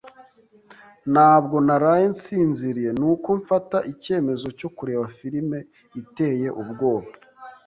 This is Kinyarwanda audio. Ntabwo naraye nsinziriye, nuko mfata icyemezo cyo kureba firime iteye ubwoba.